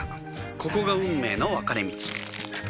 ここが運命の分かれ道